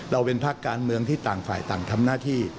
เราเป็นภาคการเมืองที่ต่างฝ่ายต่างทำหน้าที่